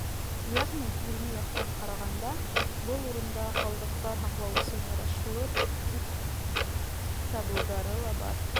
Йәғни, ғилми яҡтан ҡарағанда, был урынды ҡалдыҡтар һаҡлау өсөн ярашлы тип табыуҙары ла бар.